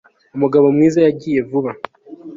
umugabo mwiza yagiye vuba